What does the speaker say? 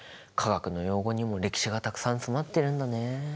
化学の用語にも歴史がたくさん詰まってるんだね。